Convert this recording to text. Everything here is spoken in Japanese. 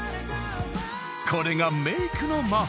［これがメイクの魔法］